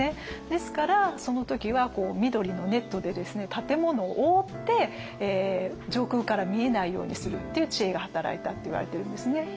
ですからその時は緑のネットで建物を覆って上空から見えないようにするっていう知恵が働いたっていわれてるんですね。